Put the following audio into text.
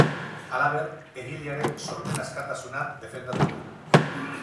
Halaber, egilearen sormen askatasuna defendatu du.